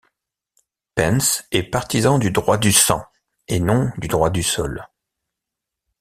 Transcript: Pence est partisan du droit du sang, et non du droit du sol.